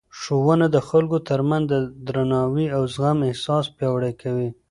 ښوونه د خلکو ترمنځ د درناوي او زغم احساس پیاوړی کوي.